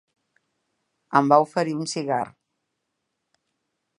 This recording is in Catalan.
Em va oferir un cigar.